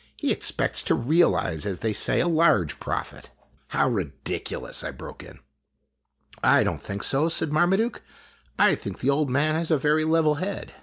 He expects to ' realize,' as they say, a large profit." " How ridiculous !" I broke in. " I don't think so," said Marmaduke. " I think the old man has a very level head.